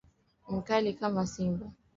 Mkali kama simba.